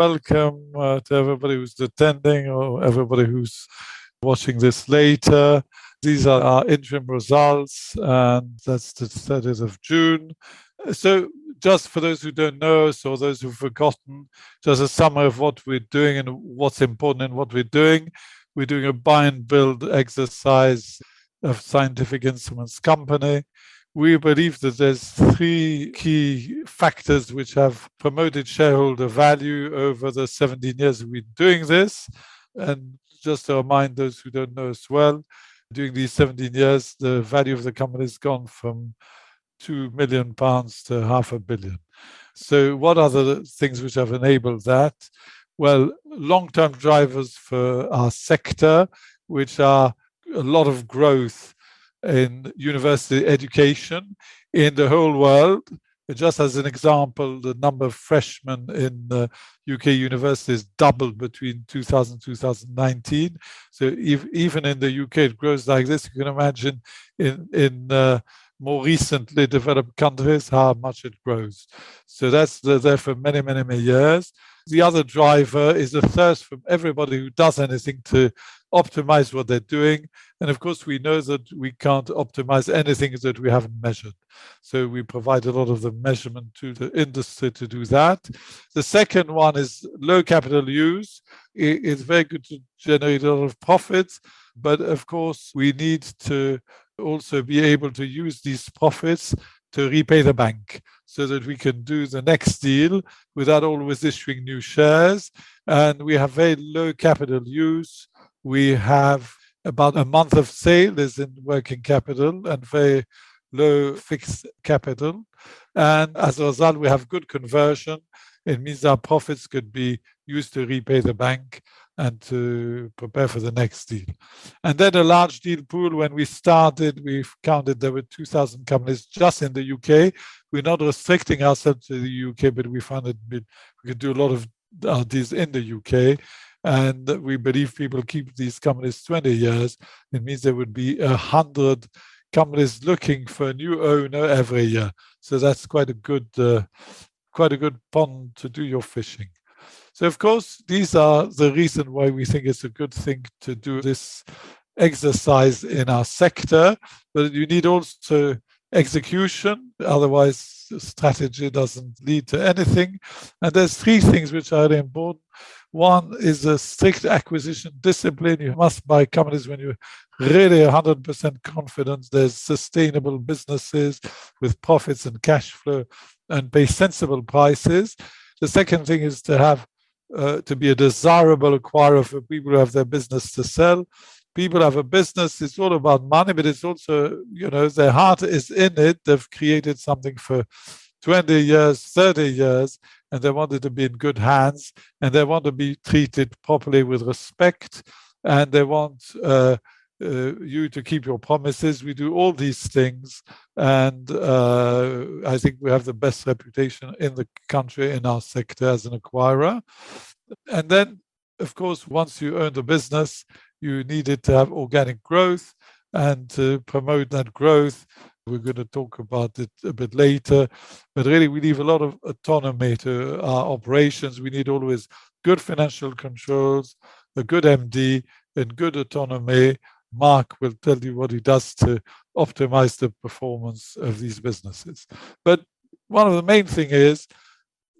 Welcome to everybody who's attending, or everybody who's watching this later. These are our interim results, and that's the 30th of June. So, just for those who don't know, or those who've forgotten, just a summary of what we're doing and what's important in what we're doing. We're doing a buy-and-build exercise of scientific instrument companies. We believe that there's three key factors which have promoted shareholder value over the 17 years we've been doing this. And just to remind those who don't know as well, during these 17 years, the value of the company has gone from 2 million pounds to 500 million. So, what are the things which have enabled that? Well, long-term drivers for our sector, which are a lot of growth in university education in the whole world. Just as an example, the number of freshmen in U.K. universities doubled between 2000 and 2019. Even in the U.K., it grows like this. You can imagine in more recently developed countries how much it grows. That's there for many, many, many years. The other driver is the thirst from everybody who does anything to optimize what they're doing. Of course, we know that we can't optimize anything that we haven't measured. We provide a lot of the measurement to the industry to do that. The second one is low capital use. It's very good to generate a lot of profits, but of course, we need to also be able to use these profits to repay the bank so that we can do the next deal without always issuing new shares. We have very low capital use. We have about a month of sales as in working capital and very low fixed capital. As a result, we have good conversion. It means our profits could be used to repay the bank and to prepare for the next deal, and then a large deal pool. When we started, we counted there were 2,000 companies just in the U.K. We're not restricting ourselves to the U.K., but we found that we can do a lot of these in the U.K., and we believe people keep these companies 20 years. It means there would be 100 companies looking for a new owner every year, so that's quite a good pond to do your fishing, so of course, these are the reason why we think it's a good thing to do this exercise in our sector, but you need also execution. Otherwise, strategy doesn't lead to anything, and there's three things which are important. One is a strict acquisition discipline. You must buy companies when you're really 100% confident there's sustainable businesses with profits and cash flow and pay sensible prices. The second thing is to have to be a desirable acquirer for people who have their business to sell. People have a business. It's all about money, but it's also, you know, their heart is in it. They've created something for 20 years, 30 years, and they want it to be in good hands, and they want to be treated properly with respect, and they want you to keep your promises. We do all these things, and I think we have the best reputation in the country, in our sector as an acquirer, and then, of course, once you own the business, you need it to have organic growth and to promote that growth. We're going to talk about it a bit later. But really, we leave a lot of autonomy to our operations. We need always good financial controls, a good MD, and good autonomy. Mark will tell you what he does to optimize the performance of these businesses. But one of the main things is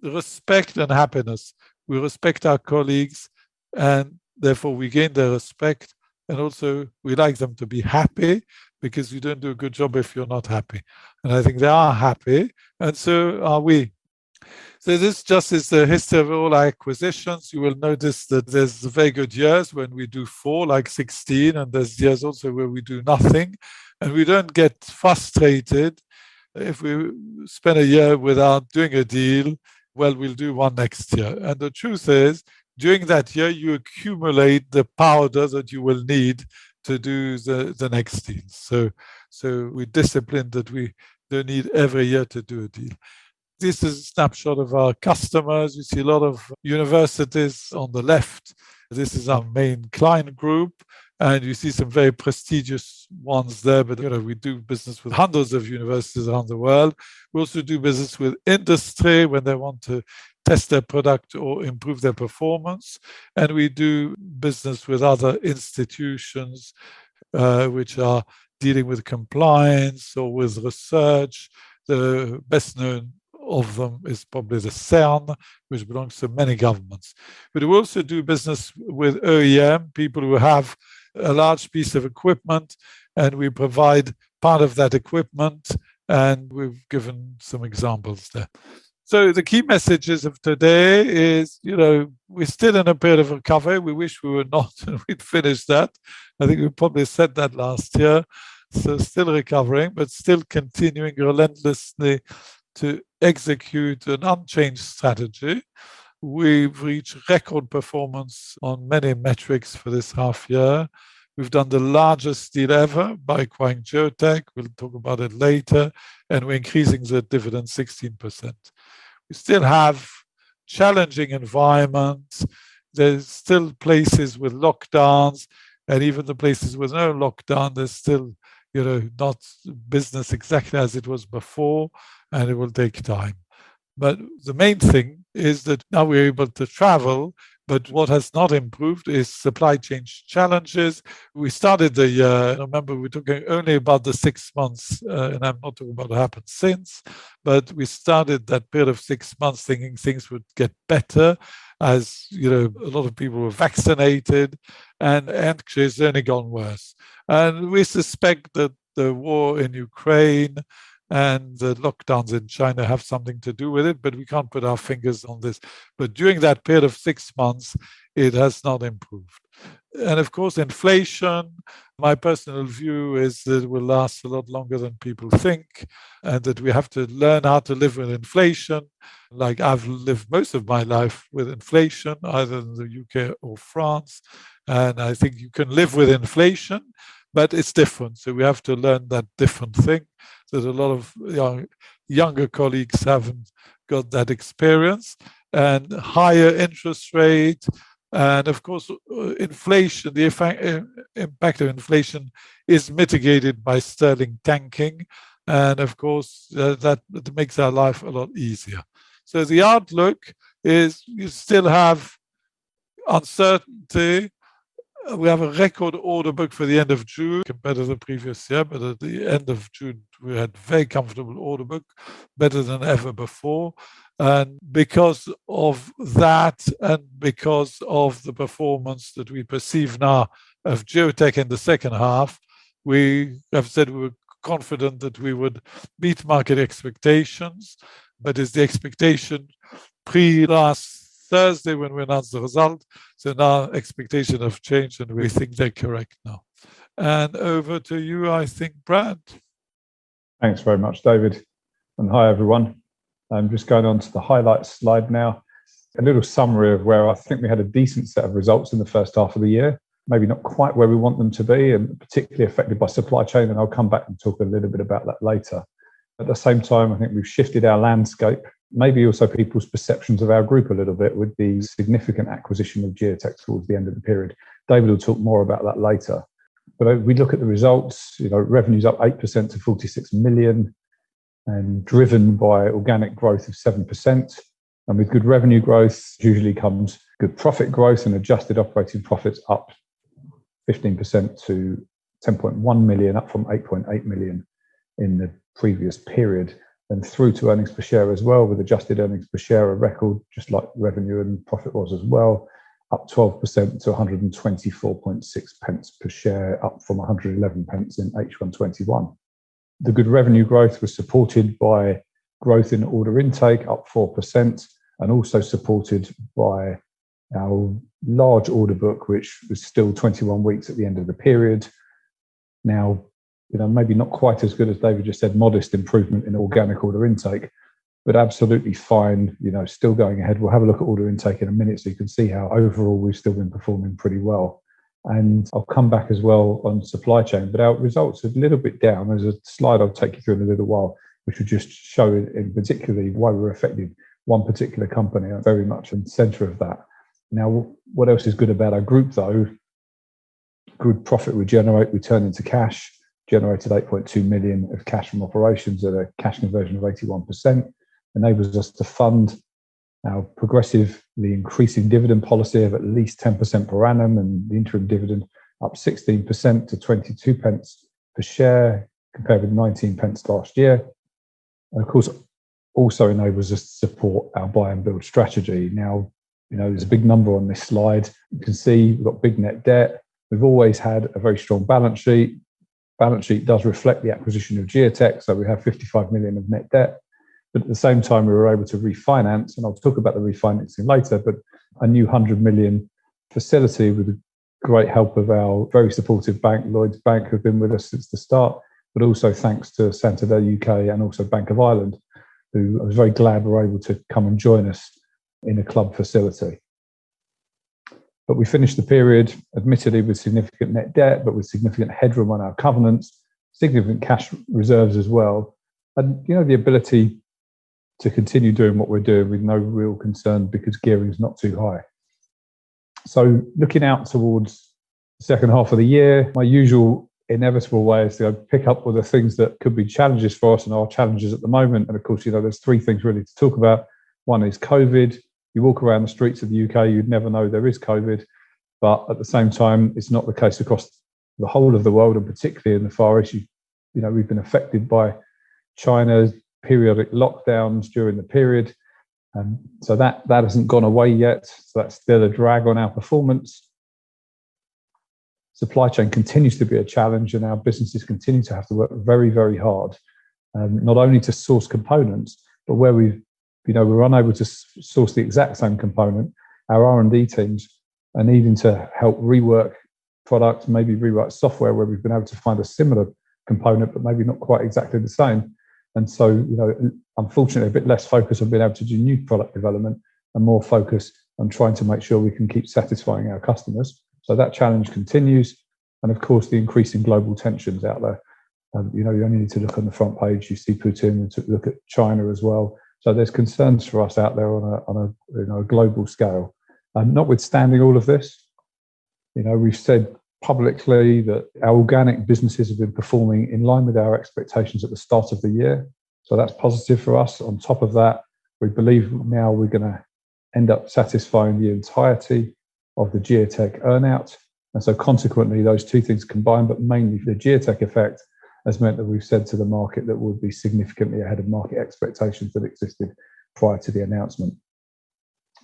respect and happiness. We respect our colleagues, and therefore we gain their respect. And also, we like them to be happy because you don't do a good job if you're not happy. And I think they are happy, and so are we. So, this just is the history of all our acquisitions. You will notice that there's very good years when we do four, like 16, and there's years also where we do nothing. And we don't get frustrated if we spend a year without doing a deal. Well, we'll do one next year. The truth is, during that year, you accumulate the powder that you will need to do the next deal. We're disciplined that we don't need every year to do a deal. This is a snapshot of our customers. You see a lot of universities on the left. This is our main client group. You see some very prestigious ones there, but we do business with hundreds of universities around the world. We also do business with industry when they want to test their product or improve their performance. We do business with other institutions which are dealing with compliance or with research. The best known of them is probably the CERN, which belongs to many governments. We also do business with OEM, people who have a large piece of equipment, and we provide part of that equipment. We've given some examples there. So, the key messages of today is, you know, we're still in a period of recovery. We wish we were not, and we'd finished that. I think we probably said that last year. So, still recovering, but still continuing relentlessly to execute an unchanged strategy. We've reached record performance on many metrics for this half year. We've done the largest deal ever by acquiring Geotek. We'll talk about it later. And we're increasing the dividend 16%. We still have challenging environments. There's still places with lockdowns, and even the places with no lockdown, there's still, you know, not business exactly as it was before, and it will take time. But the main thing is that now we're able to travel, but what has not improved is supply chain challenges. We started the year. I remember we're talking only about the six months, and I'm not talking about what happened since, but we started that period of six months thinking things would get better as, you know, a lot of people were vaccinated, and anxiety has only gone worse, and we suspect that the war in Ukraine and the lockdowns in China have something to do with it, but we can't put our fingers on this, but during that period of six months, it has not improved, and of course, inflation. My personal view is that it will last a lot longer than people think, and that we have to learn how to live with inflation. Like I've lived most of my life with inflation, either in the U.K. or France, and I think you can live with inflation, but it's different, so we have to learn that different thing. There's a lot of younger colleagues who haven't got that experience, and higher interest rates, and of course, inflation, the impact of inflation is mitigated by Sterling tanking, and of course, that makes our life a lot easier, so the outlook is you still have uncertainty. We have a record order book for the end of June, better than previous year, but at the end of June, we had a very comfortable order book, better than ever before, and because of that, and because of the performance that we perceive now of Geotek in the second half, we have said we were confident that we would meet market expectations, but is the expectation pre-last Thursday when we announce the result? So now expectations have changed, and we think they're correct now, and over to you, I think, Brad. Thanks very much, David, and hi, everyone. I'm just going on to the highlight slide now. A little summary of where I think we had a decent set of results in the first half of the year, maybe not quite where we want them to be, and particularly affected by supply chain, and I'll come back and talk a little bit about that later. At the same time, I think we've shifted our landscape, maybe also people's perceptions of our group a little bit with the significant acquisition of Geotek towards the end of the period. David will talk more about that later, but we look at the results, you know, revenues up 8% to 46 million, and driven by organic growth of 7%. With good revenue growth, usually comes good profit growth and adjusted operating profits up 15% to 10.1 million, up from 8.8 million in the previous period. Through to earnings per share as well, with adjusted earnings per share of record, just like revenue and profit was as well, up 12% to 1.246 per share, up from 1.11 in H1 2021. The good revenue growth was supported by growth in order intake, up 4%, and also supported by our large order book, which was still 21 weeks at the end of the period. Now, you know, maybe not quite as good as David just said, modest improvement in organic order intake, but absolutely fine, you know, still going ahead. We'll have a look at order intake in a minute so you can see how overall we've still been performing pretty well. And I'll come back as well on supply chain, but our results are a little bit down. There's a slide I'll take you through in a little while, which will just show in particularly why we're affecting one particular company very much in the center of that. Now, what else is good about our group, though? Good profit we generate, return into cash, generated 8.2 million of cash from Operations at a cash conversion of 81%. Enables us to fund our progressively increasing dividend policy of at least 10% per annum, and the interim dividend up 16% to 22 pence per share, compared with 19 pence last year. And of course, also enables us to support our buy-and-build strategy. Now, you know, there's a big number on this slide. You can see we've got big net debt. We've always had a very strong balance sheet. balance sheet does reflect the acquisition of Geotek. So, we have 55 million of net debt. But at the same time, we were able to refinance, and I'll talk about the refinancing later, but a new 100 million facility with the great help of our very supportive bank, Lloyds Bank, who have been with us since the start, but also thanks to Santander U.K. and also Bank of Ireland, who I was very glad were able to come and join us in a club facility. But we finished the period, admittedly with significant net debt, but with significant headroom on our covenants, significant cash reserves as well. And you know, the ability to continue doing what we're doing with no real concern because gearing's not too high. Looking out towards the second half of the year, my usual inevitable way is to pick up with the things that could be challenges for us and our challenges at the moment. And of course, you know, there's three things really to talk about. One is COVID. You walk around the streets of the U.K., you'd never know there is COVID. But at the same time, it's not the case across the whole of the world, and particularly in the Far East. You know, we've been affected by China's periodic lockdowns during the period. And so that hasn't gone away yet. So, that's still a drag on our performance. Supply chain continues to be a challenge, and our businesses continue to have to work very, very hard. And not only to source components, but where we've, you know, we're unable to source the exact same component, our R&D teams, and even to help rework products, maybe rewrite software where we've been able to find a similar component, but maybe not quite exactly the same. And so, you know, unfortunately, a bit less focus on being able to do new product development and more focus on trying to make sure we can keep satisfying our customers. So, that challenge continues. And of course, the increasing global tensions out there. You know, you only need to look on the front page. You see Putin. We took a look at China as well. So, there's concerns for us out there on a global scale. Notwithstanding all of this, you know, we've said publicly that our organic businesses have been performing in line with our expectations at the start of the year. That's positive for us. On top of that, we believe now we're going to end up satisfying the entirety of the Geotek earnout. Consequently, those two things combined, but mainly the Geotek effect, has meant that we've said to the market that we'll be significantly ahead of market expectations that existed prior to the announcement.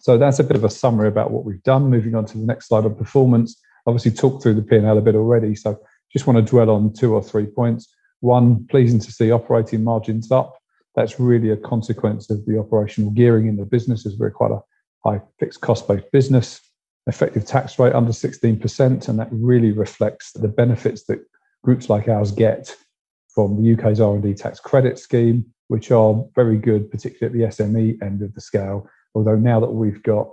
That's a bit of a summary about what we've done. Moving on to the next slide on performance. Obviously, talked through the P&L a bit already. Just want to dwell on two or three points. One, pleasing to see operating margins up. That's really a consequence of the operational gearing in the business, as we're quite a high fixed cost-based business. Effective tax rate under 16%, and that really reflects the benefits that groups like ours get from the U.K.'s R&D tax credit scheme, which are very good, particularly at the SME end of the scale. Although now that we've got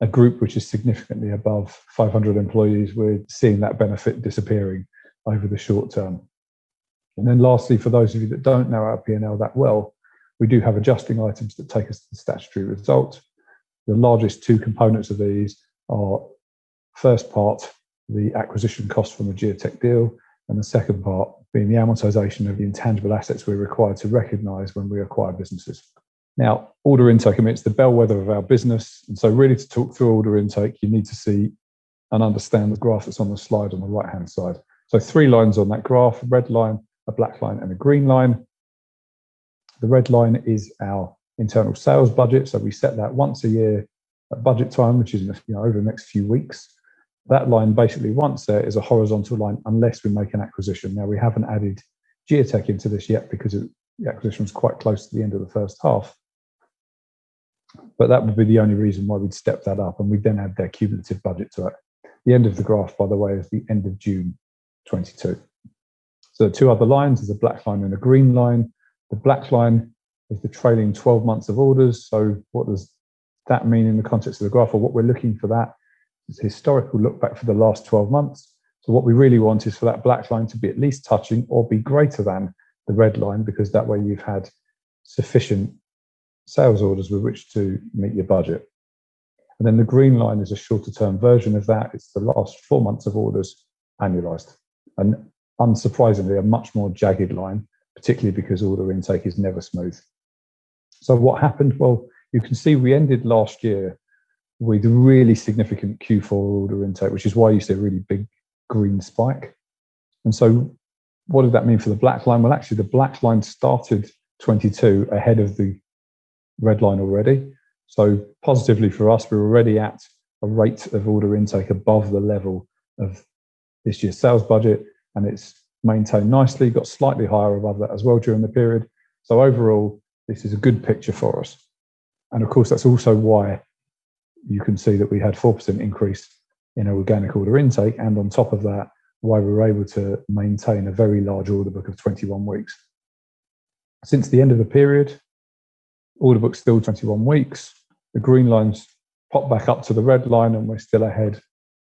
a group which is significantly above 500 employees, we're seeing that benefit disappearing over the short term, and then lastly, for those of you that don't know our P&L that well, we do have adjusting items that take us to the statutory result. The largest two components of these are first part, the acquisition cost from the Geotek deal, and the second part being the amortization of the intangible assets we're required to recognize when we acquire businesses. Now, order intake is the bellwether of our business. And so, really to talk through order intake, you need to see and understand the graph that's on the slide on the right-hand side. So, three lines on that graph, a red line, a black line, and a green line. The red line is our internal sales budget. So, we set that once a year at budget time, which is over the next few weeks. That line basically once there is a horizontal line unless we make an acquisition. Now, we haven't added Geotek into this yet because the acquisition was quite close to the end of the first half. But that would be the only reason why we'd step that up, and we'd then add their cumulative budget to it. The end of the graph, by the way, is the end of June 2022. So, the two other lines is a black line and a green line. The black line is the trailing 12 months of orders. So, what does that mean in the context of the graph? Or what we're looking for, that is historical lookback for the last 12 months. So, what we really want is for that black line to be at least touching or be greater than the red line, because that way you've had sufficient sales orders with which to meet your budget. And then the green line is a shorter-term version of that. It's the last four months of orders annualized. And unsurprisingly, a much more jagged line, particularly because order intake is never smooth. So, what happened? Well, you can see we ended last year with really significant Q4 order intake, which is why you see a really big green spike. And so, what did that mean for the black line? Actually, the black line started 2022 ahead of the red line already. So, positively for us, we're already at a rate of order intake above the level of this year's sales budget, and it's maintained nicely. Got slightly higher above that as well during the period. So, overall, this is a good picture for us. And of course, that's also why you can see that we had a 4% increase in organic order intake, and on top of that, why we were able to maintain a very large order book of 21 weeks. Since the end of the period, order book still 21 weeks. The green lines pop back up to the red line, and we're still ahead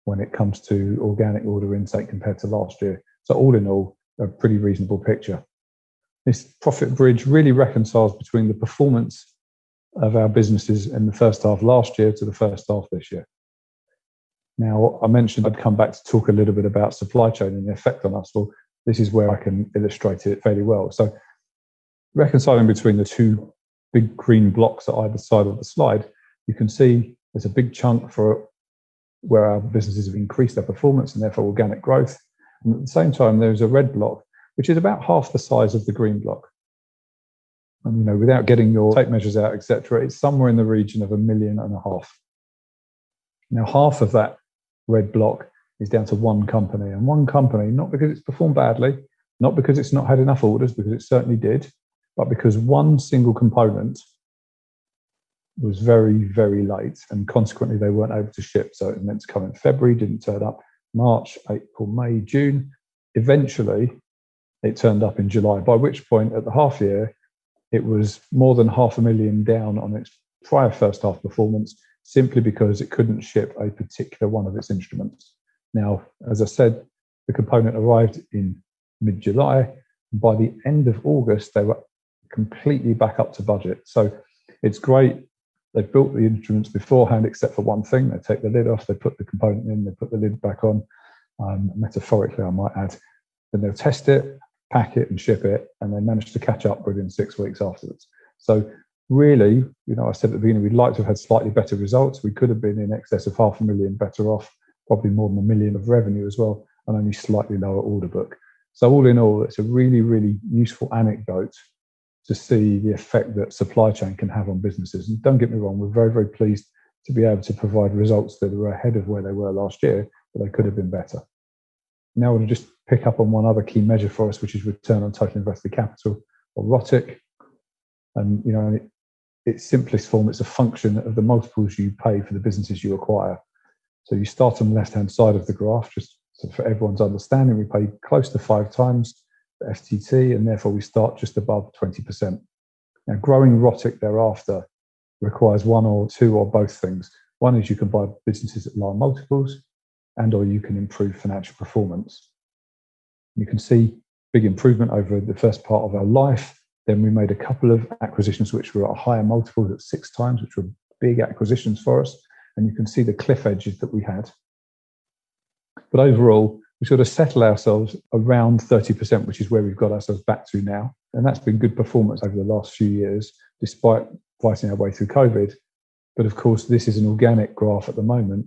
when it comes to organic order intake compared to last year. So, all in all, a pretty reasonable picture. This profit bridge really reconciles between the performance of our businesses in the first half last year to the first half this year. Now, I mentioned I'd come back to talk a little bit about supply chain and the effect on us. Well, this is where I can illustrate it fairly well. So, reconciling between the two big green blocks at either side of the slide, you can see there's a big chunk for where our businesses have increased their performance and therefore organic growth. And at the same time, there's a red block, which is about half the size of the green block. And you know, without getting your tape measures out, etc., it's somewhere in the region of 1.5 million. Now, half of that red block is down to one company. One company, not because it's performed badly, not because it's not had enough orders, because it certainly did, but because one single component was very, very light, and consequently, they weren't able to ship. It meant to come in February, didn't turn up March, April, May, June. Eventually, it turned up in July, by which point, at the half year, it was more than 500,000 down on its prior first half performance, simply because it couldn't ship a particular one of its instruments. Now, as I said, the component arrived in mid-July, and by the end of August, they were completely back up to budget. It's great. They've built the instruments beforehand, except for one thing. They take the lid off, they put the component in, they put the lid back on, metaphorically, I might add. Then they'll test it, pack it, and ship it, and they managed to catch up within six weeks afterwards. So, really, you know, I said at the beginning, we'd like to have had slightly better results. We could have been in excess of 500,000 better off, probably more than 1 million of revenue as well, and only slightly lower order book. So, all in all, it's a really, really useful anecdote to see the effect that supply chain can have on businesses. And don't get me wrong, we're very, very pleased to be able to provide results that were ahead of where they were last year, but they could have been better. Now, I want to just pick up on one other key measure for us, which is return on total invested capital or ROTIC. And you know, in its simplest form, it's a function of the multiples you pay for the businesses you acquire. So, you start on the left-hand side of the graph, just for everyone's understanding. We pay close to five times the EBIT, and therefore we start just above 20%. Now, growing ROTIC thereafter requires one or two or both things. One is you can buy businesses at lower multiples, and/or you can improve financial performance. You can see big improvement over the first part of our life. Then we made a couple of acquisitions, which were at higher multiples at six times, which were big acquisitions for us. And you can see the cliff edges that we had. But overall, we sort of settle ourselves around 30%, which is where we've got ourselves back to now. That's been good performance over the last few years, despite fighting our way through COVID. But of course, this is an organic graph at the moment.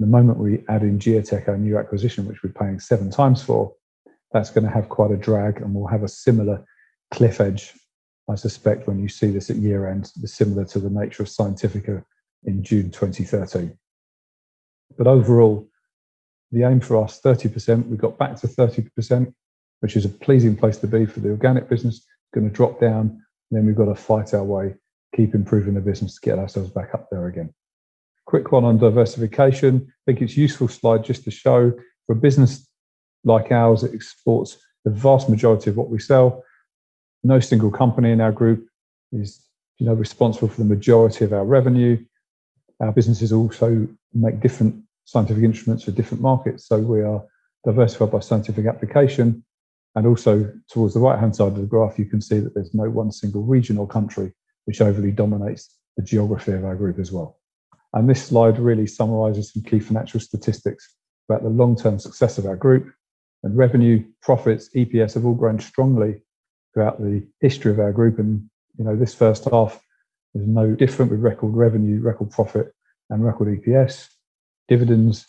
The moment we add in Geotek, our new acquisition, which we're paying seven times for, that's going to have quite a drag, and we'll have a similar cliff edge, I suspect, when you see this at year-end, similar to the nature of Scientifica in June 2013. But overall, the aim for us, 30%, we got back to 30%, which is a pleasing place to be for the organic business, going to drop down. Then we've got to fight our way, keep improving the business to get ourselves back up there again. Quick one on diversification. I think it's a useful slide just to show for a business like ours that exports the vast majority of what we sell. No single company in our group is, you know, responsible for the majority of our revenue. Our businesses also make different scientific instruments for different markets. So, we are diversified by scientific application. And also, towards the right-hand side of the graph, you can see that there's no one single region or country which overly dominates the geography of our group as well. And this slide really summarizes some key financial statistics about the long-term success of our group. And revenue, profits, EPS have all grown strongly throughout the history of our group. And you know, this first half is no different with record revenue, record profit, and record EPS. Dividends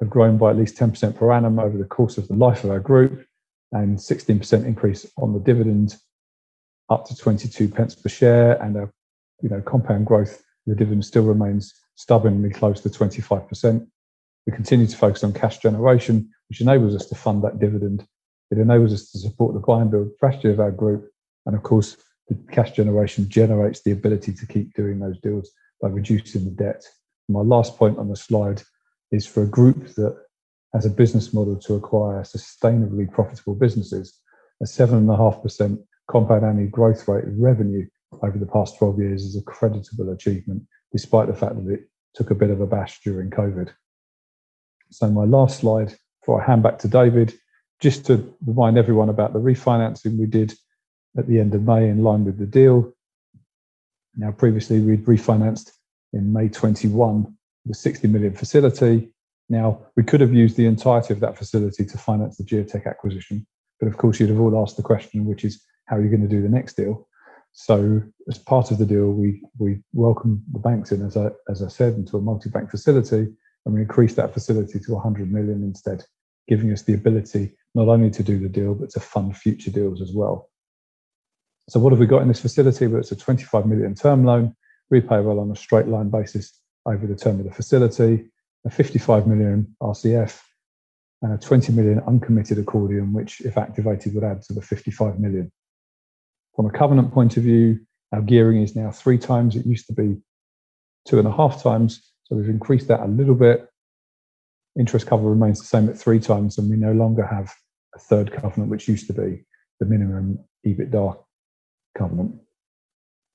have grown by at least 10% per annum over the course of the life of our group, and 16% increase on the dividend, up to 0.22 per share. Our, you know, compound growth, the dividend still remains stubbornly close to 25%. We continue to focus on cash generation, which enables us to fund that dividend. It enables us to support the buy-and-build capacity of our group. Of course, the cash generation generates the ability to keep doing those deals by reducing the debt. My last point on the slide is for a group that has a business model to acquire sustainably profitable businesses, a 7.5% compound annual growth rate of revenue over the past 12 years is a creditable achievement, despite the fact that it took a bit of a bash during COVID. So, my last slide, before I hand back to David, just to remind everyone about the refinancing we did at the end of May in line with the deal. Now, previously, we'd refinanced in May 2021 the 60 million facility. Now, we could have used the entirety of that facility to finance the Geotek acquisition. But of course, you'd have all asked the question, which is, how are you going to do the next deal? So, as part of the deal, we welcomed the banks in, as I said, into a multi-bank facility. And we increased that facility to 100 million instead, giving us the ability not only to do the deal, but to fund future deals as well. So, what have we got in this facility? It's a 25 million term loan, repayable on a straight line basis over the term of the facility, a 55 million RCF, and a 20 million uncommitted accordion, which, if activated, would add to the 55 million. From a covenant point of view, our gearing is now three times. It used to be two and a half times. We've increased that a little bit. Interest cover remains the same at three times, and we no longer have a third covenant, which used to be the minimum EBITDA covenant.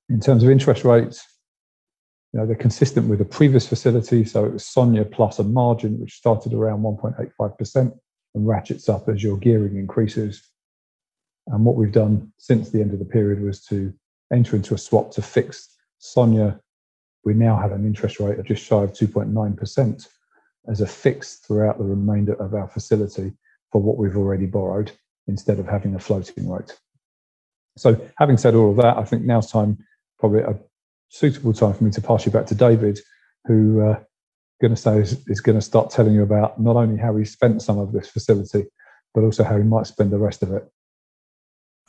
In terms of interest rates, you know, they're consistent with a previous facility. It was SONIA plus a margin, which started around 1.85% and ratchets up as your gearing increases. What we've done since the end of the period was to enter into a swap to fix SONIA. We now have an interest rate of just shy of 2.9% as a fix throughout the remainder of our facility for what we've already borrowed, instead of having a floating rate. So, having said all of that, I think now's time, probably a suitable time for me to pass you back to David, who I'm going to say is going to start telling you about not only how he spent some of this facility, but also how he might spend the rest of it.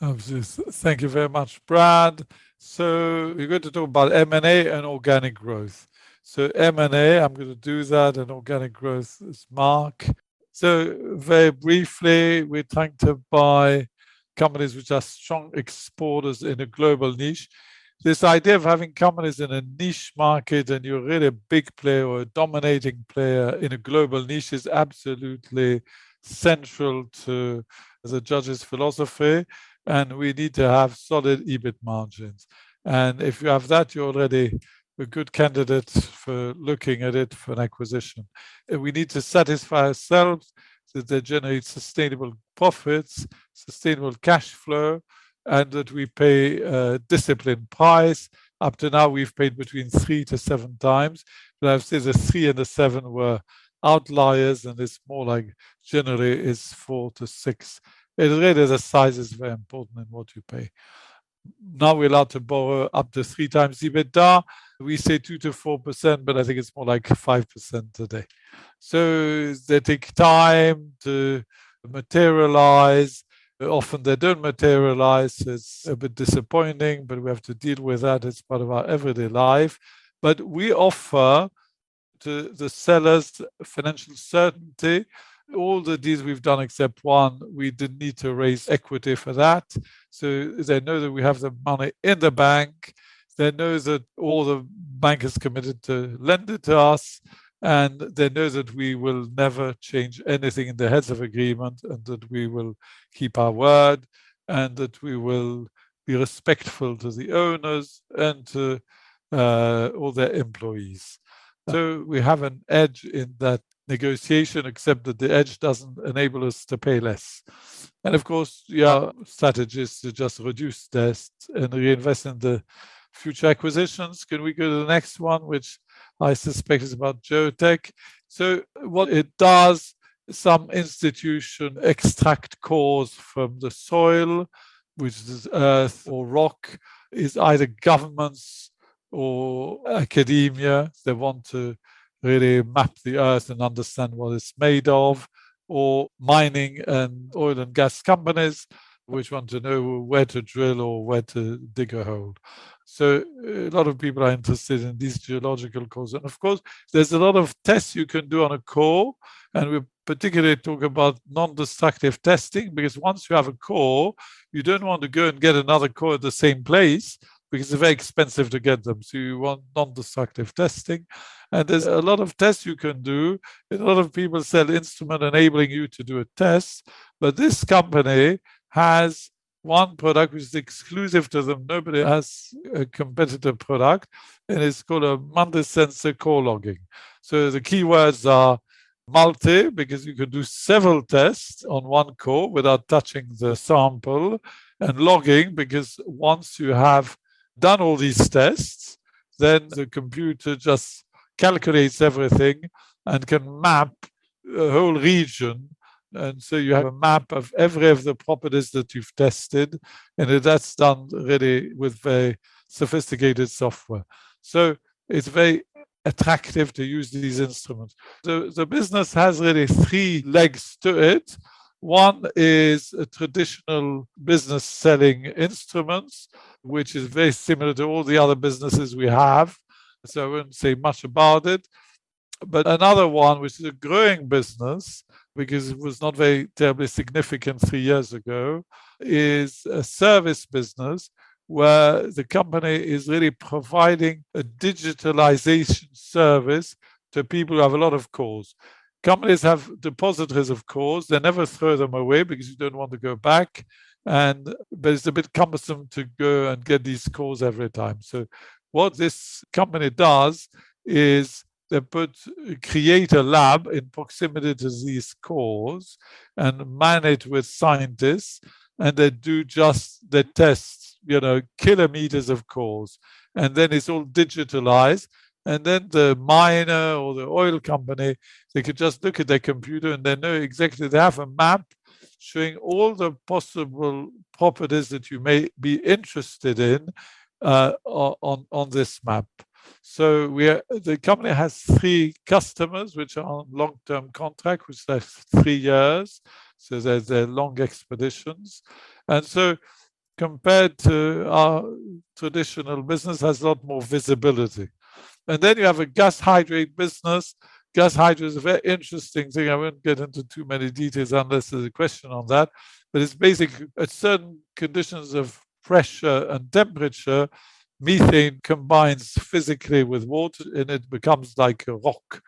Absolutely. Thank you very much, Brad. So, we're going to talk about M&A and organic growth. So, M&A, I'm going to do that, and organic growth is Mark. So, very briefly, we're trying to buy companies which are strong exporters in a global niche. This idea of having companies in a niche market, and you're really a big player or a dominating player in a global niche, is absolutely central to the Judges' philosophy. We need to have solid EBIT margins. If you have that, you're already a good candidate for looking at it for an acquisition. We need to satisfy ourselves that they generate sustainable profits, sustainable cash flow, and that we pay a disciplined price. Up to now, we've paid between three to seven times. I've said that three and seven were outliers, and it's more like generally it's four to six. It really is a size is very important in what you pay. Now we're allowed to borrow up to three times EBITDA. We say 2%-4%, but I think it's more like 5% today. They take time to materialize. Often, they don't materialize. It's a bit disappointing, but we have to deal with that. It's part of our everyday life, but we offer to the sellers financial certainty. All the deals we've done, except one, we didn't need to raise equity for that, so they know that we have the money in the bank. They know that all the bank is committed to lend it to us, and they know that we will never change anything in the heads of agreement, and that we will keep our word, and that we will be respectful to the owners and to all their employees, so we have an edge in that negotiation, except that the edge doesn't enable us to pay less. And of course, our strategy is to just reduce debts and reinvest in the future acquisitions. Can we go to the next one, which I suspect is about Geotek? So, what it does, some institutions extract cores from the soil, which is earth or rock, is either governments or academia that want to really map the earth and understand what it's made of, or mining and oil and gas companies which want to know where to drill or where to dig a hole. So, a lot of people are interested in these geological cores. And of course, there's a lot of tests you can do on a core. And we particularly talk about non-destructive testing, because once you have a core, you don't want to go and get another core at the same place, because they're very expensive to get them. So, you want non-destructive testing. And there's a lot of tests you can do. A lot of people sell instruments enabling you to do a test. But this company has one product which is exclusive to them. Nobody has a competitor product, and it's called a Multi-Sensor Core Logger, so the key words are multi, because you can do several tests on one core without touching the sample, and logging, because once you have done all these tests, then the computer just calculates everything and can map the whole region, and so you have a map of every of the properties that you've tested, and that's done really with very sophisticated software, so it's very attractive to use these instruments, so the business has really three legs to it. One is a traditional business selling instruments, which is very similar to all the other businesses we have, so I won't say much about it. But another one, which is a growing business, because it was not very terribly significant three years ago, is a service business where the company is really providing a digitalization service to people who have a lot of cores. Companies have depositories of cores. They never throw them away, because you don't want to go back. And but it's a bit cumbersome to go and get these cores every time. So, what this company does is they create a lab in proximity to these cores and manage with scientists. And they do just the tests, you know, kilometers of cores. And then it's all digitalized. And then the miner or the oil company, they could just look at their computer, and they know exactly they have a map showing all the possible properties that you may be interested in on this map. The company has three customers which are on long-term contract, which lasts three years. They're long expeditions. Compared to our traditional business, it has a lot more visibility. Then you have a gas hydrate business. Gas hydrate is a very interesting thing. I won't get into too many details unless there's a question on that. It's basically at certain conditions of pressure and temperature, methane combines physically with water, and it becomes like a rock.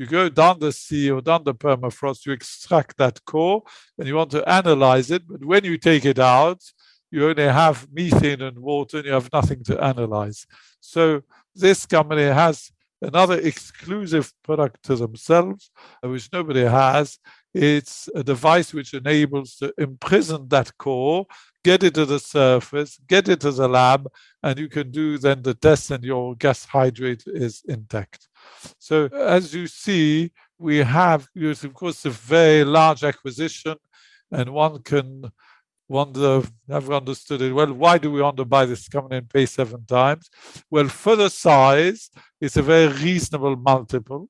You go down the sea or down the permafrost, you extract that core, and you want to analyze it. When you take it out, you only have methane and water, and you have nothing to analyze. This company has another exclusive product to themselves, which nobody has. It's a device which enables to preserve that core, get it to the surface, get it to the lab, and you can do then the tests, and your gas hydrate is intact. So, as you see, we have, of course, a very large acquisition. And have you understood it well? Why do we want to buy this company and pay seven times? Well, for the size, it's a very reasonable multiple.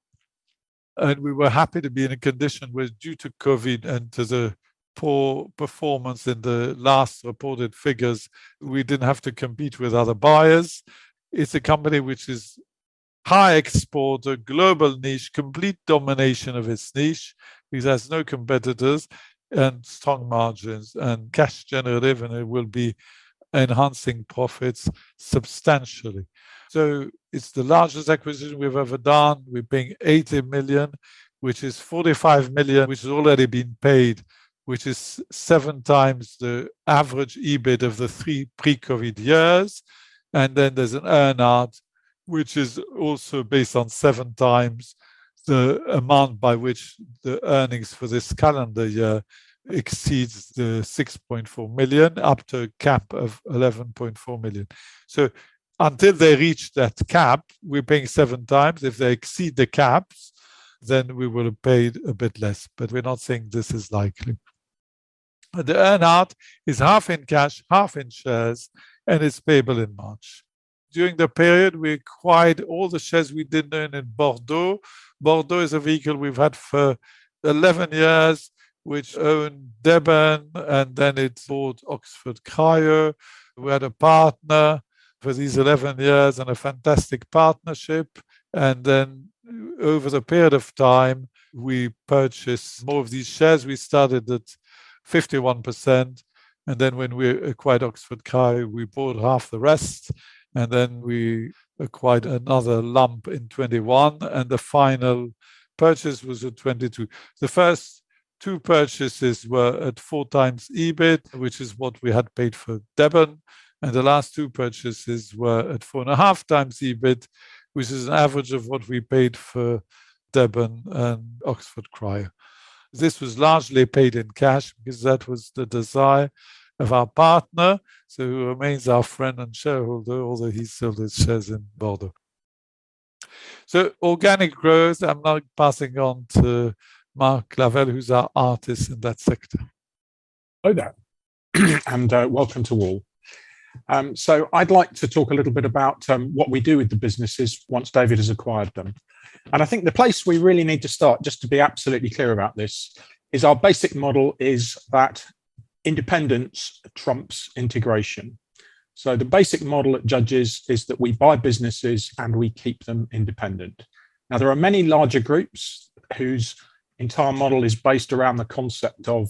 And we were happy to be in a condition where, due to COVID and to the poor performance in the last reported figures, we didn't have to compete with other buyers. It's a company which is high exporter, global niche, complete domination of its niche, because it has no competitors, and strong margins and cash generative, and it will be enhancing profits substantially. So, it's the largest acquisition we've ever done. We're paying 80 million, which is 45 million, which has already been paid, which is seven times the average EBIT of the three pre-COVID years. And then there's an earn-out, which is also based on seven times the amount by which the earnings for this calendar year exceeds the 6.4 million, up to a cap of 11.4 million. So, until they reach that cap, we're paying seven times. If they exceed the caps, then we will have paid a bit less. But we're not saying this is likely. The earn-out is half in cash, half in shares, and it's payable in March. During the period, we acquired all the shares we didn't own in Bordeaux. Bordeaux is a vehicle we've had for 11 years, which owned Deben, and then it bought Oxford Cryosystems. We had a partner for these 11 years and a fantastic partnership. And then, over the period of time, we purchased more of these shares. We started at 51%. And then, when we acquired Oxford Cryo, we bought half the rest. And then we acquired another lump in 2021. And the final purchase was in 2022. The first two purchases were at four times EBIT, which is what we had paid for Deben. And the last two purchases were at four and a half times EBIT, which is an average of what we paid for Deben and Oxford Cryo. This was largely paid in cash, because that was the desire of our partner. So, who remains our friend and shareholder, although he still has shares in Bordeaux. So, organic growth. I'm now passing on to Mark Lavelle, who's our artist in that sector. Hi there. And welcome to all. I'd like to talk a little bit about what we do with the businesses once David has acquired them. I think the place we really need to start, just to be absolutely clear about this, is our basic model is that independence trumps integration. The basic model at Judges is that we buy businesses and we keep them independent. Now, there are many larger groups whose entire model is based around the concept of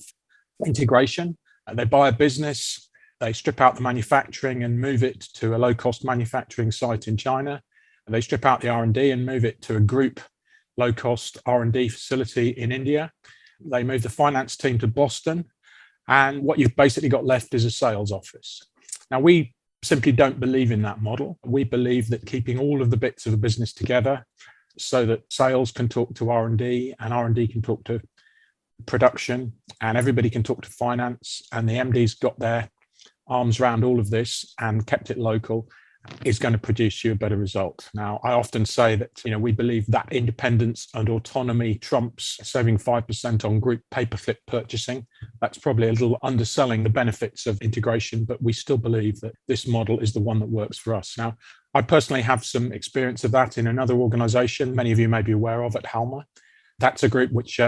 integration. They buy a business, they strip out the manufacturing and move it to a low-cost manufacturing site in China. They strip out the R&D and move it to a group low-cost R&D facility in India. They move the finance team to Boston. What you've basically got left is a sales office. Now, we simply don't believe in that model. We believe that keeping all of the bits of the business together so that sales can talk to R&D and R&D can talk to production, and everybody can talk to finance, and the MDs got their arms around all of this and kept it local is going to produce you a better result. Now, I often say that, you know, we believe that independence and autonomy trumps saving 5% on group paperclip purchasing. That's probably a little underselling the benefits of integration, but we still believe that this model is the one that works for us. Now, I personally have some experience of that in another organization, many of you may be aware of, at Halma. That's a group which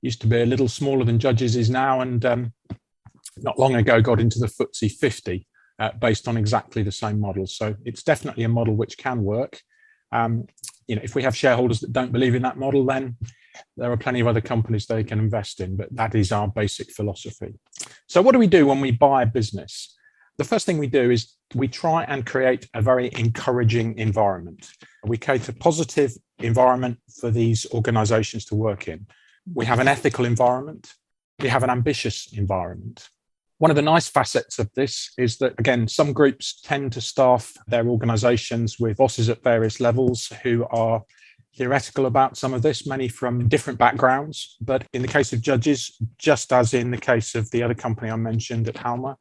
used to be a little smaller than Judges is now, and not long ago got into the FTSE 50 based on exactly the same model. So, it's definitely a model which can work. You know, if we have shareholders that don't believe in that model, then there are plenty of other companies they can invest in. But that is our basic philosophy. So, what do we do when we buy a business? The first thing we do is we try and create a very encouraging environment. We create a positive environment for these organizations to work in. We have an ethical environment. We have an ambitious environment. One of the nice facets of this is that, again, some groups tend to staff their organizations with bosses at various levels who are theoretical about some of this, many from different backgrounds. But in the case of Judges, just as in the case of the other company I mentioned at Halma,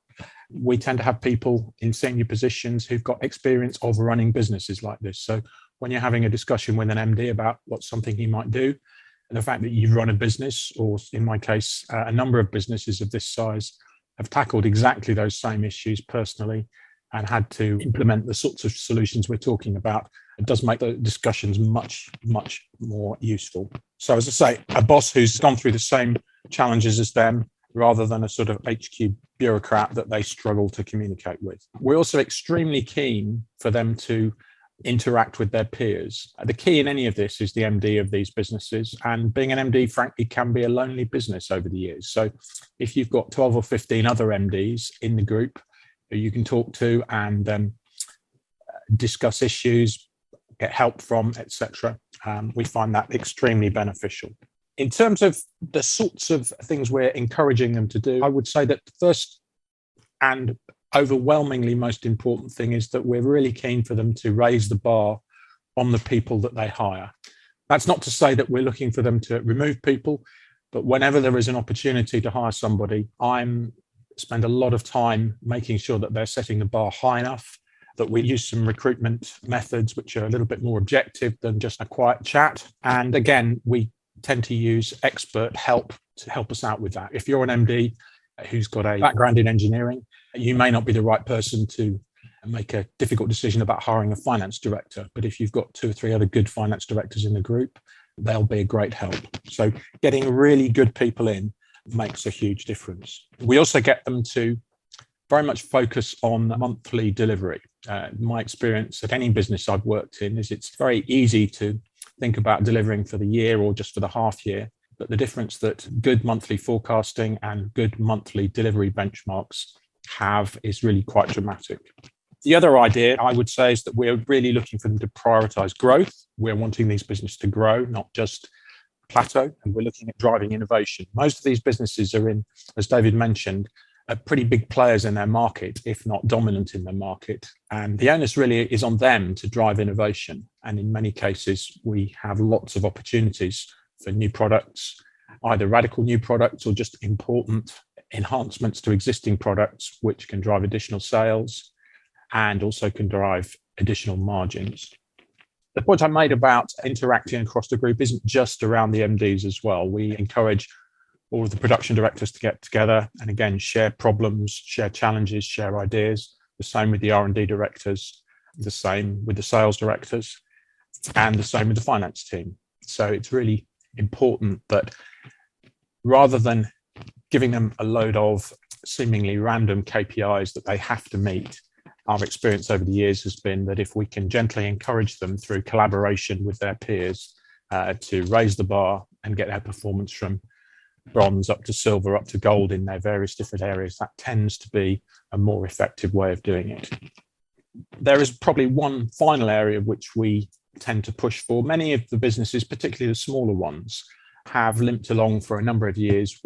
we tend to have people in senior positions who've got experience of running businesses like this. So, when you're having a discussion with an MD about what's something you might do, and the fact that you've run a business, or in my case, a number of businesses of this size have tackled exactly those same issues personally and had to implement the sorts of solutions we're talking about, it does make the discussions much, much more useful. So, as I say, a boss who's gone through the same challenges as them, rather than a sort of HQ bureaucrat that they struggle to communicate with. We're also extremely keen for them to interact with their peers. The key in any of this is the MD of these businesses. And being an MD, frankly, can be a lonely business over the years. So, if you've got 12 or 15 other MDs in the group that you can talk to and discuss issues, get help from, etc., we find that extremely beneficial. In terms of the sorts of things we're encouraging them to do, I would say that the first and overwhelmingly most important thing is that we're really keen for them to raise the bar on the people that they hire. That's not to say that we're looking for them to remove people. But whenever there is an opportunity to hire somebody, I spend a lot of time making sure that they're setting the bar high enough, that we use some recruitment methods which are a little bit more objective than just a quiet chat. And again, we tend to use expert help to help us out with that. If you're an MD who's got a background in engineering, you may not be the right person to make a difficult decision about hiring a finance director. But if you've got two or three other good finance directors in the group, they'll be a great help. So, getting really good people in makes a huge difference. We also get them to very much focus on monthly delivery. My experience at any business I've worked in is it's very easy to think about delivering for the year or just for the half year. But the difference that good monthly forecasting and good monthly delivery benchmarks have is really quite dramatic. The other idea I would say is that we're really looking for them to prioritize growth. We're wanting these businesses to grow, not just plateau. And we're looking at driving innovation. Most of these businesses are in, as David mentioned, pretty big players in their market, if not dominant in their market. And the onus really is on them to drive innovation. And in many cases, we have lots of opportunities for new products, either radical new products or just important enhancements to existing products, which can drive additional sales and also can drive additional margins. The point I made about interacting across the group isn't just around the MDs as well. We encourage all of the production directors to get together and, again, share problems, share challenges, share ideas. The same with the R&D directors, the same with the sales directors, and the same with the finance team. It's really important that rather than giving them a load of seemingly random KPIs that they have to meet, our experience over the years has been that if we can gently encourage them through collaboration with their peers to raise the bar and get their performance from bronze up to silver, up to gold in their various different areas, that tends to be a more effective way of doing it. There is probably one final area which we tend to push for. Many of the businesses, particularly the smaller ones, have limped along for a number of years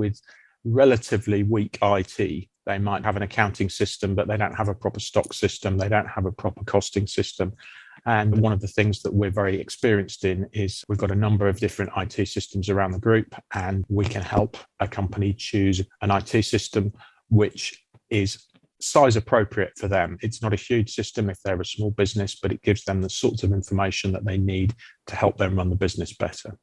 with relatively weak IT. They might have an accounting system, but they don't have a proper stock system. They don't have a proper costing system. One of the things that we're very experienced in is we've got a number of different IT systems around the group, and we can help a company choose an IT system which is size-appropriate for them. It's not a huge system if they're a small business, but it gives them the sorts of information that they need to help them run the business better.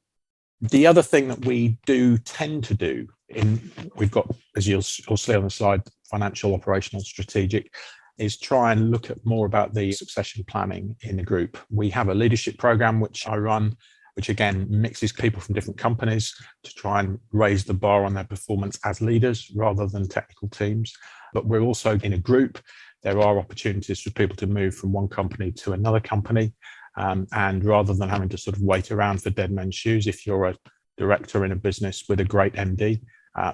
The other thing that we do tend to do, and we've got, as you'll see on the slide, financial, operational, strategic, is try and look more about the succession planning in the group. We have a leadership program which I run, which again mixes people from different companies to try and raise the bar on their performance as leaders rather than technical teams. We're also in a group, there are opportunities for people to move from one company to another company. Rather than having to sort of wait around for dead man's shoes, if you're a director in a business with a great MD,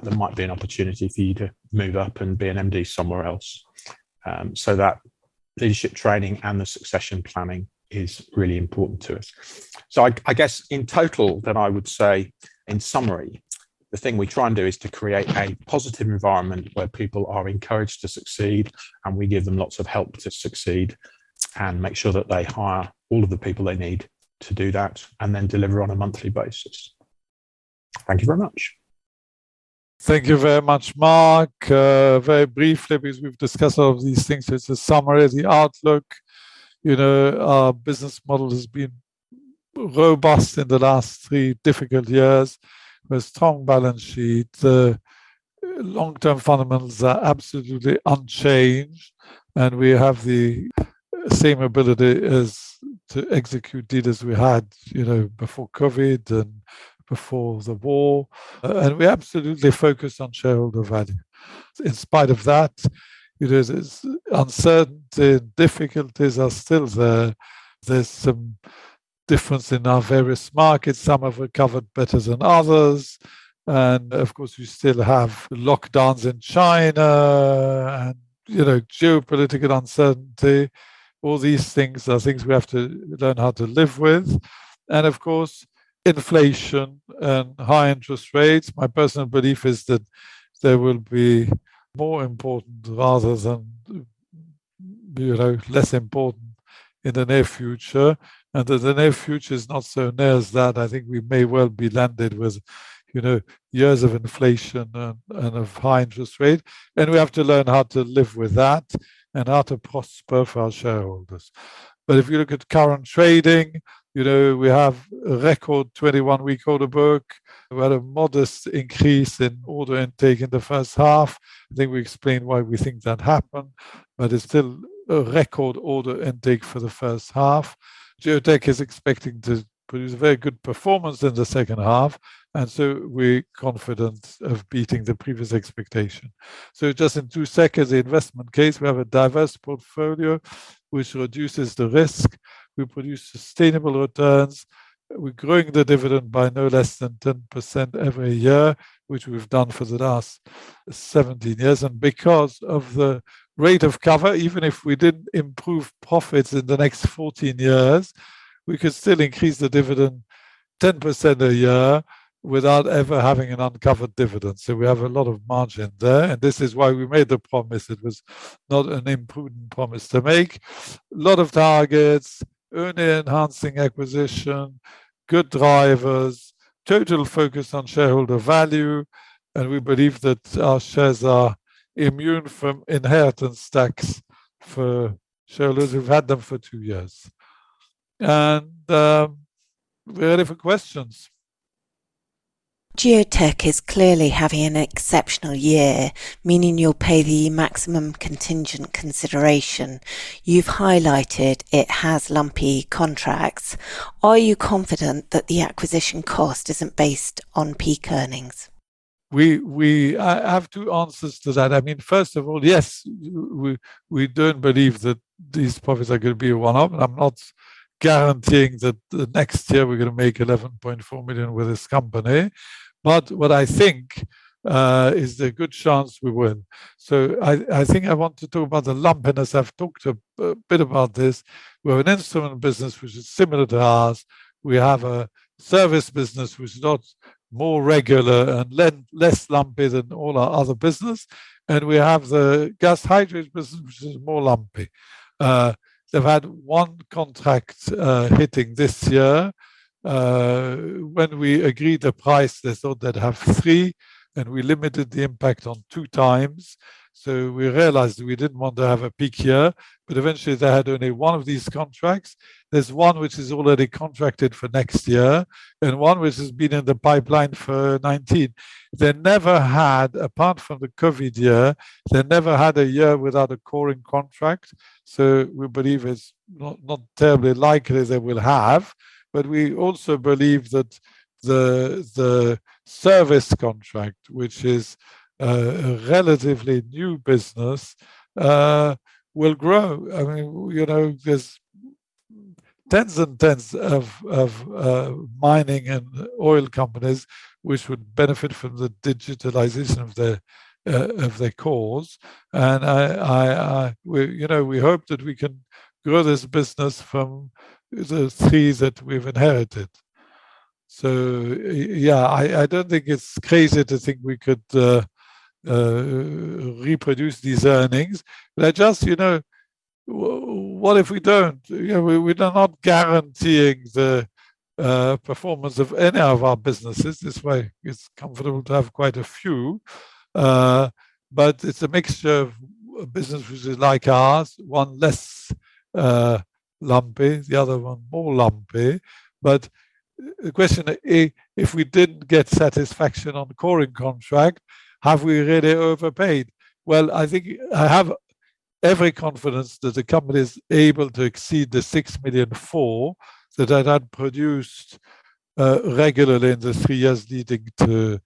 there might be an opportunity for you to move up and be an MD somewhere else. So, that leadership training and the succession planning is really important to us. So, I guess in total that I would say, in summary, the thing we try and do is to create a positive environment where people are encouraged to succeed, and we give them lots of help to succeed and make sure that they hire all of the people they need to do that and then deliver on a monthly basis. Thank you very much. Thank you very much, Mark. Very briefly, because we've discussed all of these things, it's a summary, the outlook. You know, our business model has been robust in the last three difficult years with strong balance sheets. The long-term fundamentals are absolutely unchanged. We have the same ability to execute deals we had, you know, before COVID and before the war. We absolutely focus on shareholder value. In spite of that, you know, it's uncertainty and difficulties are still there. There's some difference in our various markets. Some have recovered better than others. Of course, we still have lockdowns in China and, you know, geopolitical uncertainty. All these things are things we have to learn how to live with. Of course, inflation and high interest rates. My personal belief is that they will be more important rather than, you know, less important in the near future, and that the near future is not so near as that. I think we may well be landed with, you know, years of inflation and of high interest rate, and we have to learn how to live with that and how to prosper for our shareholders, but if you look at current trading, you know, we have a record 21-week order book. We had a modest increase in order intake in the first half. I think we explained why we think that happened, but it's still a record order intake for the first half. Geotek is expecting to produce a very good performance in the second half, and so, we're confident of beating the previous expectation. So, just in two seconds, the investment case, we have a diverse portfolio which reduces the risk. We produce sustainable returns. We're growing the dividend by no less than 10% every year, which we've done for the last 17 years. Because of the rate of cover, even if we didn't improve profits in the next 14 years, we could still increase the dividend 10% a year without ever having an uncovered dividend. So, we have a lot of margin there. This is why we made the promise. It was not an imprudent promise to make. A lot of targets, value-enhancing acquisitions, growth drivers, total focus on shareholder value. We believe that our shares are immune from inheritance tax for shareholders. We've had them for two years. We're ready for questions. Geotek is clearly having an exceptional year, meaning you'll pay the maximum contingent consideration. You've highlighted it has lumpy contracts. Are you confident that the acquisition cost isn't based on peak earnings? We have two answers to that. I mean, first of all, yes, we don't believe that these profits are going to be a one-off. I'm not guaranteeing that the next year we're going to make 11.4 million with this company. But what I think is, there's a good chance we win. I think I want to talk about the lumpiness. I've talked a bit about this. We have an instrument business which is similar to ours. We have a service business which is more regular and less lumpy than all our other businesses. We have the gas hydrate business, which is more lumpy. They've had one contract hitting this year. When we agreed the price, they thought they'd have three, and we limited the impact on two times. We realized we didn't want to have a peak year. Eventually, they had only one of these contracts. There's one which is already contracted for next year and one which has been in the pipeline for 2019. They never had, apart from the COVID year, they never had a year without a coring contract. So, we believe it's not terribly likely they will have. But we also believe that the service contract, which is a relatively new business, will grow. I mean, you know, there's tens and tens of mining and oil companies which would benefit from the digitalization of their cores. And, you know, we hope that we can grow this business from the seeds that we've inherited. So, yeah, I don't think it's crazy to think we could reproduce these earnings. But I just, you know, what if we don't? We're not guaranteeing the performance of any of our businesses. This way, it's comfortable to have quite a few. It's a mixture of a business which is like ours, one less lumpy, the other one more lumpy. The question, if we didn't get satisfaction on coring contract, have we really overpaid? I think I have every confidence that the company is able to exceed the six million that I had produced regularly in the three years leading to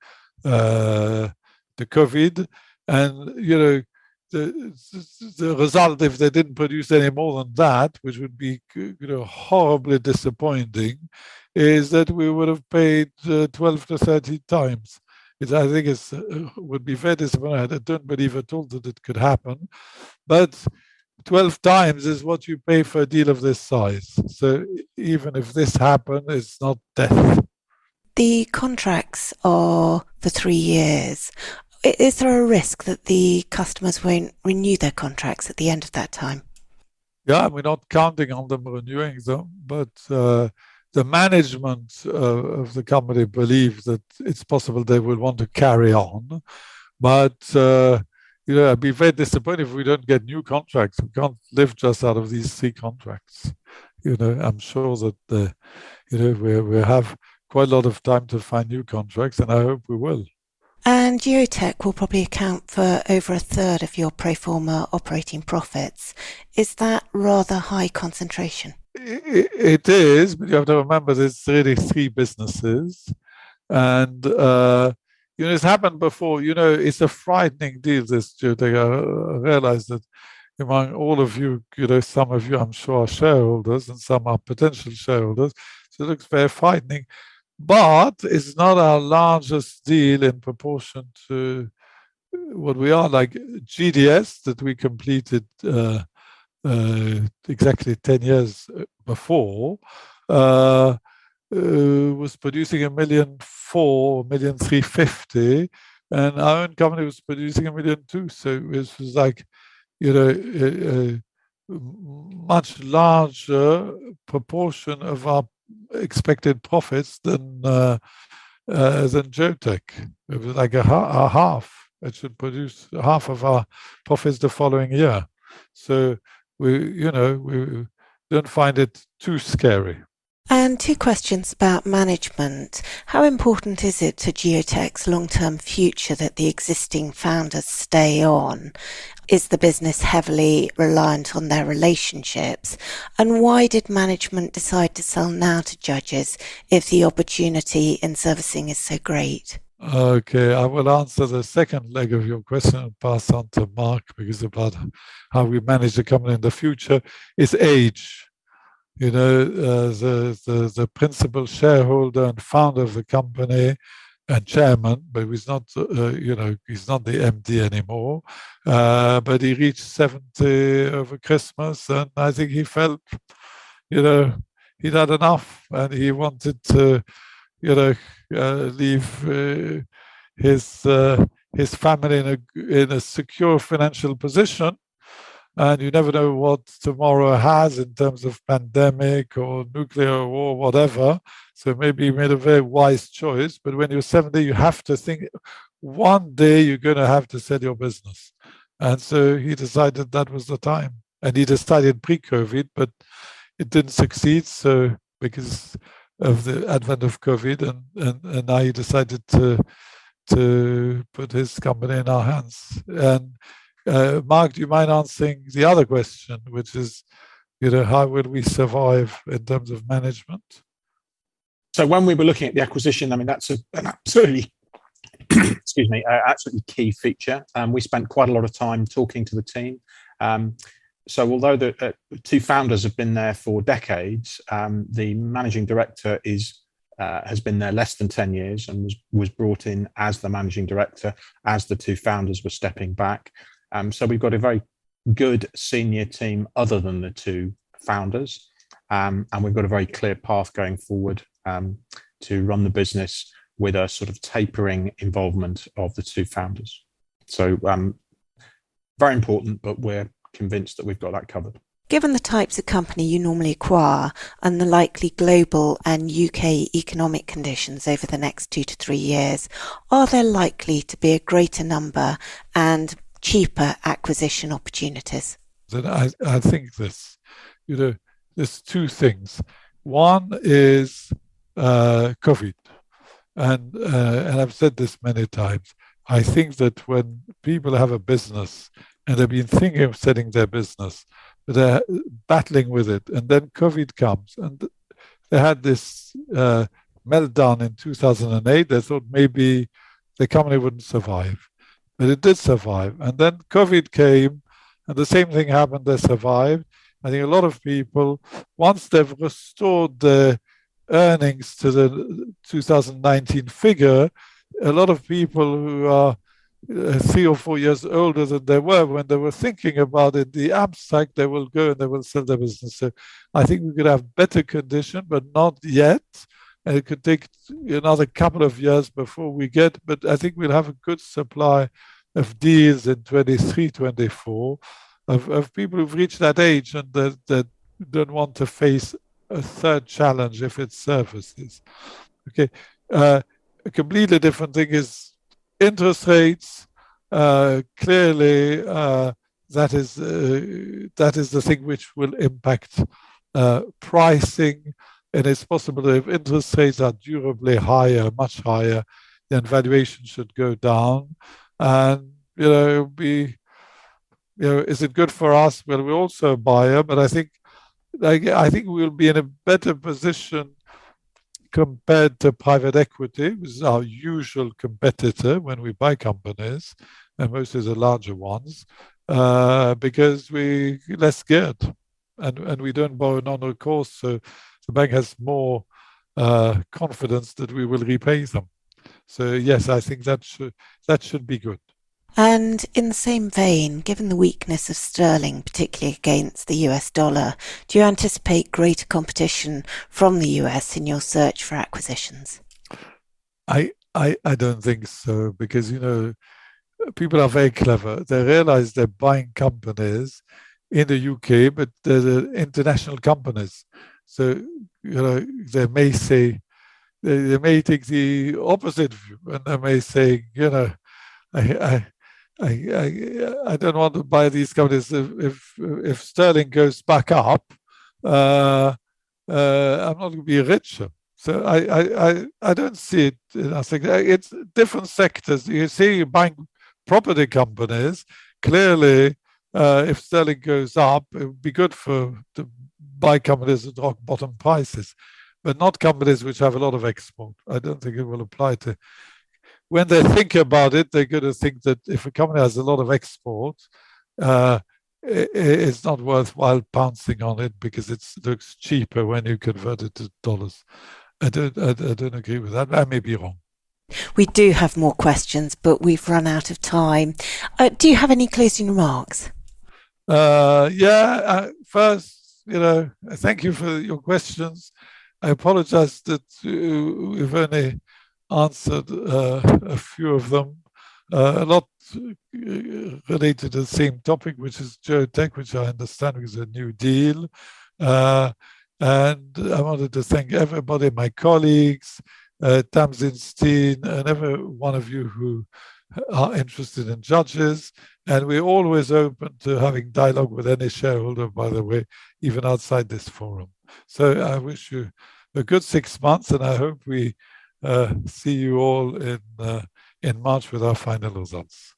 COVID. You know, the result, if they didn't produce any more than that, which would be horribly disappointing, is that we would have paid 12-13 times. I think it would be very disappointing. I don't believe at all that it could happen. 12 times is what you pay for a deal of this size. Even if this happens, it's not death. The contracts are for three years. Is there a risk that the customers won't renew their contracts at the end of that time? Yeah, we're not counting on them renewing them. But the management of the company believes that it's possible they will want to carry on. But, you know, I'd be very disappointed if we don't get new contracts. We can't live just out of these three contracts. You know, I'm sure that, you know, we have quite a lot of time to find new contracts, and I hope we will. And Geotek will probably account for over a third of your pro forma operating profits. Is that rather high concentration? It is. But you have to remember there's really three businesses. And, you know, it's happened before. You know, it's a frightening deal, this Geotek. I realize that among all of you, you know, some of you, I'm sure, are shareholders and some are potential shareholders. So, it looks very frightening. But it's not our largest deal in proportion to what we are like GDS that we completed exactly 10 years before. It was producing 1.4 million, 1.35 million. And our own company was producing 1.2 million. So, it was like, you know, a much larger proportion of our expected profits than Geotek. It was like a half. It should produce half of our profits the following year. So, we, you know, we don't find it too scary. And two questions about management. How important is it to Geotek's long-term future that the existing founders stay on? Is the business heavily reliant on their relationships? And why did management decide to sell now to Judges if the opportunity in servicing is so great? Okay, I will answer the second leg of your question and pass on to Mark because about how we manage the company in the future is age. You know, the principal shareholder and founder of the company and chairman, but he's not, you know, he's not the MD anymore. But he reached 70 over Christmas. And I think he felt, you know, he'd had enough and he wanted to, you know, leave his family in a secure financial position. And you never know what tomorrow has in terms of pandemic or nuclear war, whatever. So, maybe he made a very wise choice. But when you're 70, you have to think one day you're going to have to sell your business. And so, he decided that was the time. He decided pre-COVID, but it didn't succeed. Because of the advent of COVID, and now he decided to put his company in our hands. Mark, do you mind answering the other question, which is, you know, how will we survive in terms of management? When we were looking at the acquisition, I mean, that's an absolutely, excuse me, absolutely key feature. We spent quite a lot of time talking to the team. Although the two founders have been there for decades, the managing director has been there less than 10 years and was brought in as the managing director as the two founders were stepping back. We've got a very good senior team other than the two founders. We've got a very clear path going forward to run the business with a sort of tapering involvement of the two founders. So, very important, but we're convinced that we've got that covered. Given the types of company you normally acquire and the likely global and U.K. economic conditions over the next two to three years, are there likely to be a greater number and cheaper acquisition opportunities? I think this, you know, there's two things. One is COVID, and I've said this many times. I think that when people have a business and they've been thinking of selling their business, they're battling with it, and then COVID comes, and they had this meltdown in 2008. They thought maybe the company wouldn't survive, but it did survive, and then COVID came, and the same thing happened. They survived. I think a lot of people, once they've restored the earnings to the 2019 figure, a lot of people who are three or four years older than they were when they were thinking about it, the abstract, they will go and they will sell their business. So, I think we could have better condition, but not yet. And it could take another couple of years before we get, but I think we'll have a good supply of deals in 2023, 2024 of people who've reached that age and that don't want to face a third challenge if it's surfaces. Okay. A completely different thing is interest rates. Clearly, that is the thing which will impact pricing. And it's possible if interest rates are durably higher, much higher, then valuation should go down. And, you know, is it good for us? Well, we also buy it. But I think we'll be in a better position compared to private equity, which is our usual competitor when we buy companies, and mostly the larger ones, because we're less scared. And we don't borrow on recourse. So, the bank has more confidence that we will repay them. So, yes, I think that should be good. And in the same vein, given the weakness of sterling, particularly against the U.S. dollar, do you anticipate greater competition from the U.S. in your search for acquisitions? I don't think so because, you know, people are very clever. They realize they're buying companies in the U.K., but they're international companies. So, you know, they may say, they may take the opposite view, and they may say, you know, I don't want to buy these companies. If sterling goes back up, I'm not going to be richer. So, I don't see it. It's different sectors. You see, you're buying property companies. Clearly, if sterling goes up, it would be good for to buy companies at rock bottom prices, but not companies which have a lot of export. I don't think it will apply to. When they think about it, they're going to think that if a company has a lot of export, it's not worthwhile pouncing on it because it looks cheaper when you convert it to dollars. I don't agree with that. I may be wrong. We do have more questions, but we've run out of time. Do you have any closing remarks? Yeah. First, you know, thank you for your questions. I apologize that we've only answered a few of them, a lot related to the same topic, which is Geotek, which I understand is a new deal. I wanted to thank everybody, my colleagues, Tamsin's team, and every one of you who are interested in Judges. We're always open to having dialogue with any shareholder, by the way, even outside this forum. I wish you a good six months, and I hope we see you all in March with our final results. Bye.